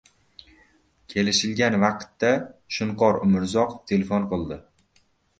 Kelishilgan vaqtda Shunqor Umrzoqov telefon qildi.